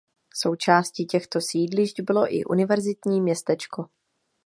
Součástí těchto sídlišť bylo i univerzitní městečko.